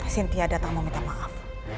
sintia datang mau minta maaf